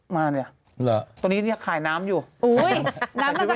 มานี่ตรงนี้ขายน้ำอยู่แต่ชื่อว่าน้ำขายน้ำอยู่อุ๊ย